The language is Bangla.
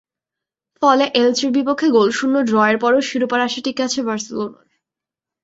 ফলে এলচের বিপক্ষে গোলশূন্য ড্রয়ের পরও শিরোপার আশা টিকে আছে বার্সেলোনার।